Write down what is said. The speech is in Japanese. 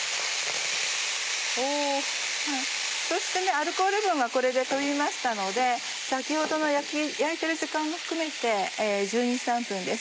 そしてアルコール分はこれで飛びましたので先ほどの焼いてる時間も含めて１２１３分です。